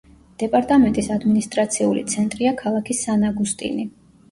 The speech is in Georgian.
დეპარტამენტის ადმინისტრაციული ცენტრია ქალაქი სან-აგუსტინი.